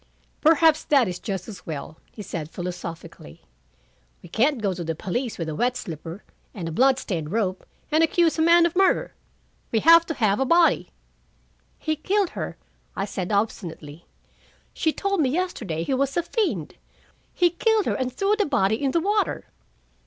"Perhaps that is just as well," he said philosophically. "We can't go to the police with a wet slipper and a blood stained rope and accuse a man of murder. We have to have a body." "He killed her," I said obstinately. "She told me yesterday he was a fiend. He killed her and threw the body in the water."